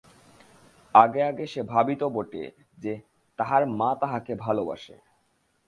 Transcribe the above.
আগে আগে সে ভাবিত বটে যে, তাহার মা তাহাকে ভালোবাসে।